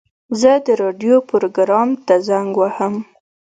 زه د راډیو پروګرام ته زنګ وهم.